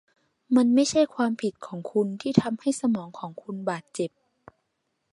มันไม่ใช่ความผิดของคุณที่ทำให้สมองของคุณบาดเจ็บ